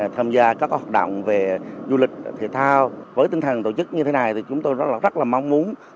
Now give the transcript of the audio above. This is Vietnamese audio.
tham gia các hoạt động về du lịch thể thao với tinh thần tổ chức như thế này thì chúng tôi rất là mong muốn